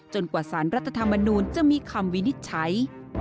กว่าสารรัฐธรรมนูลจะมีคำวินิจฉัย